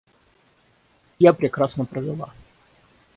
Я прекрасно провела.